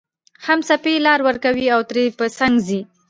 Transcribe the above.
هم څپې لار ورکوي او ترې په څنګ ځي